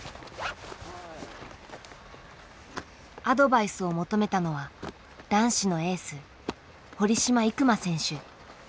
アドバイスを求めたのは男子のエース堀島行真選手。